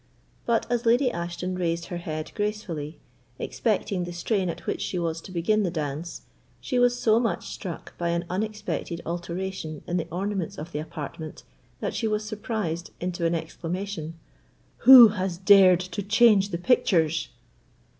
But as Lady Ashton raised her head gracefully, expecting the strain at which she was to begin the dance, she was so much struck by an unexpected alteration in the ornaments of the apartment that she was surprised into an exclamation, "Who has dared to change the pictures?"